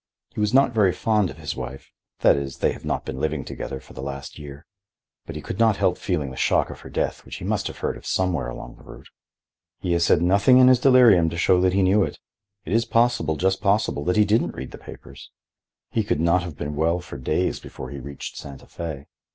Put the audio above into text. He was not very fond of his wife,—that is, they have not been living together for the last year. But he could not help feeling the shock of her death which he must have heard of somewhere along the route." "He has said nothing in his delirium to show that he knew it. It is possible, just possible, that he didn't read the papers. He could not have been well for days before he reached Santa Fe."